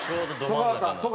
戸川さんと。